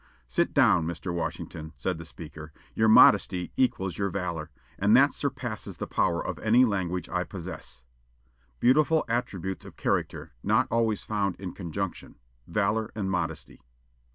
"Sit down, Mr. Washington," said the speaker; "your modesty equals your valor, and that surpasses the power of any language I possess." Beautiful attributes of character, not always found in conjunction; valor and modesty!